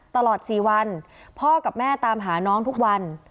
ตลอด๔วันพ่อกับแม่ตามหาน้องทุกวัน